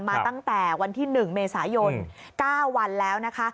มาตั้งแต่วันที่๑เมษายน๙วันแล้วนะคะ